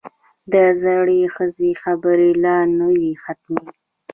د زړې ښځې خبرې لا نه وې ختمې.